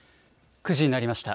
９時になりました。